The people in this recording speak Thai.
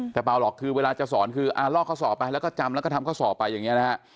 แต่เปล่าหรอกคือเวลาจะสอนคือลอกข้อสอบไปแล้วก็จำแล้วก็ทำข้อสอบไปอย่างนี้นะฮะ